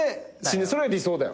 それは理想だよ。